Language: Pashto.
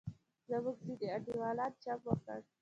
زموږ ځینې انډیوالان چم وکړ.